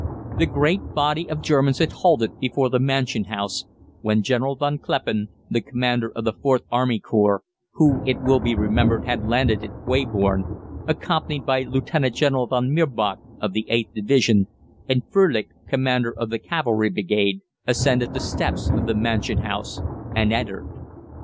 The great body of Germans had halted before the Mansion House, when General von Kleppen, the commander of the IVth Army Corps who, it will be remembered, had landed at Weybourne accompanied by Lieutenant General von Mirbach, of the 8th Division, and Frölich, commander of the cavalry brigade, ascended the steps of the Mansion House and entered.